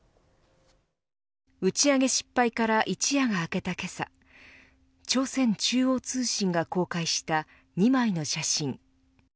打ち上げ失敗から一夜が明けたけさ朝鮮中央通信が公開した２枚の写真。